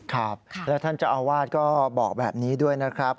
ครับแล้วท่านเจ้าอาวาสก็บอกแบบนี้ด้วยนะครับ